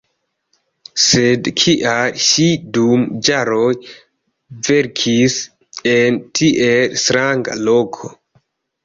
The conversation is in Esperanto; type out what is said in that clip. Sed kial ŝi dum jaroj verkis en tiel stranga loko?